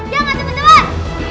ya nggak temen dua